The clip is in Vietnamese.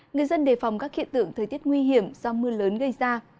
người dân đề phòng các hiện tượng thời tiết nguy hiểm do mưa lớn gây ra